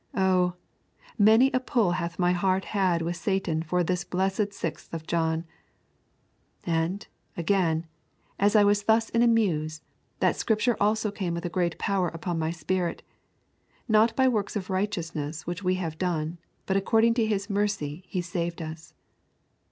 Oh! many a pull hath my heart had with Satan for this blessed sixth of John ... And, again, as I was thus in a muse, that Scripture also came with great power upon my spirit: Not by works of righteousness which we have done, but according to His mercy He saved us.